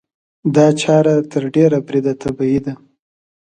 دا چاره تر ډېره بریده طبیعي ده.